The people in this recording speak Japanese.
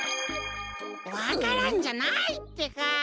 わか蘭じゃないってか。